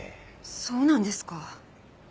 そうなんですか。